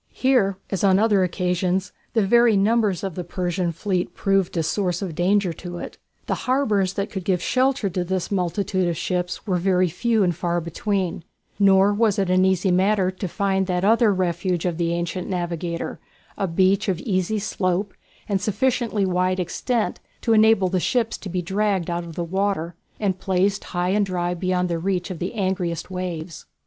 Here, as on other occasions, the very numbers of the Persian fleet proved a source of danger to it. The harbours that could give shelter to this multitude of ships were very few and far between, nor was it an easy matter to find that other refuge of the ancient navigator a beach of easy slope and sufficiently wide extent to enable the ships to be dragged out of the water and placed high and dry beyond the reach of the angriest waves.